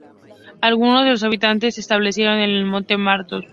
Algunos de los habitantes se establecieron en el Monte Athos.